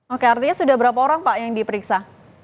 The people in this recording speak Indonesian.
oke artinya sudah berapa orang pak yang diperiksa